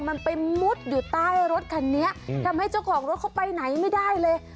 มันไปมุดอยู่ใต้รถคันนี้ทำให้เจ้าของรถเข้าไปไหนไม่ได้เลย